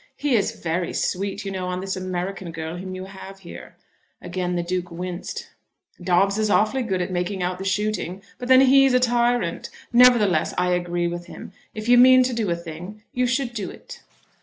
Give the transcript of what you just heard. He is very sweet, you know, on this American girl whom you have here." Again the Duke winced. "Dobbes is awfully good as to making out the shooting, but then he is a tyrant. Nevertheless I agree with him, if you mean to do a thing you should do it."